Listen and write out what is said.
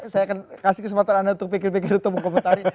saya akan kasih kesempatan anda untuk pikir pikir untuk mengkomentari